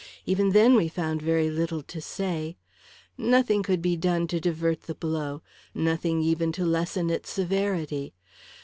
Even then, we found very little to say. Nothing could be done to divert the blow; nothing even to lessen its severity.